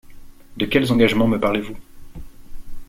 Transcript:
De quels engagements me parlez-vous?